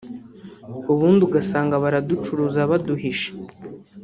ubundi ugasanga baraducuruza baduhishe